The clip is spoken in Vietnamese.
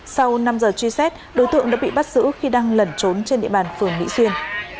sau năm giờ truy xét đối tượng đã bị bắt giữ khi đang lẩn trốn trên địa bàn phường mỹ xuyên